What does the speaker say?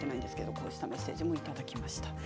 こんなメッセージもいただきました。